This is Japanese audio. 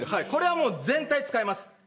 これはもう全体を使います。